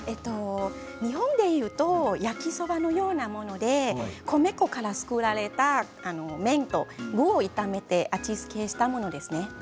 日本でいう焼きそばのようなもので米粉から作られた麺と具を炒めて味付けをしたものです。